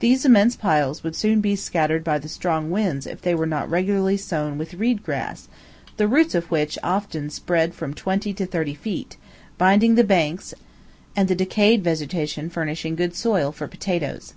These immense piles would soon be scattered by the strong winds if they were not regularly sown with reed grass, the roots of which often spread from twenty to thirty feet, binding the banks, and the decayed vegetation furnishing good soil for potatoes.